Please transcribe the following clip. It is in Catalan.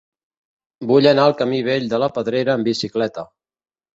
Vull anar al camí Vell de la Pedrera amb bicicleta.